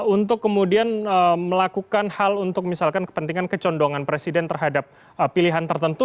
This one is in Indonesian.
untuk kemudian melakukan hal untuk misalkan kepentingan kecondongan presiden terhadap pilihan tertentu